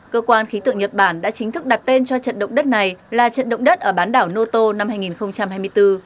cơ quan khí tượng nhật bản đã chính thức đặt tên cho trận động đất này là trận động đất ở bán đảo noto năm hai nghìn hai mươi bốn